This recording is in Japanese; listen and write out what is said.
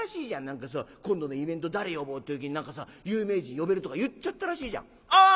何かさ今度のイベント誰呼ぼうって時に何かさ有名人呼べるとか言っちゃったらしいじゃん」。